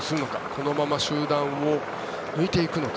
このまま集団を抜いていくのか。